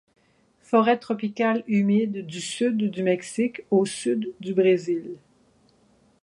Forets tropicales humides du sud de mexique au sud du Brésil.